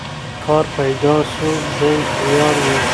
کار پیدا سو دی تیار وو